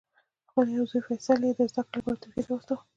خپل یو زوی فیصل یې د زده کړې لپاره ترکیې ته واستاوه.